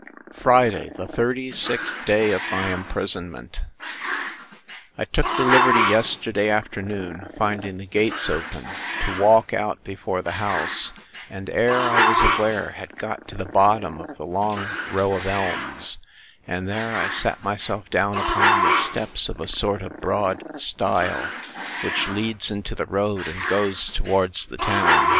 Friday, the 36th day of my imprisonment. I took the liberty yesterday afternoon, finding the gates open, to walk out before the house; and, ere I was aware, had got to the bottom of the long row of elms; and there I sat myself down upon the steps of a sort of broad stile, which leads into the road, and goes towards the town.